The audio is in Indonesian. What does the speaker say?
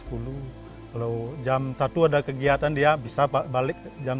kalau jam satu ada kegiatan dia bisa balik jam satu